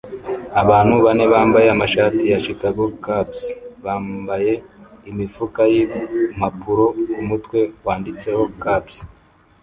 Abantu bane bambaye amashati ya Chicago Cubs bambaye imifuka yimpapuro kumutwe wanditseho Cubs